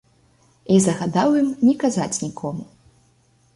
І загадаў ім не казаць нікому.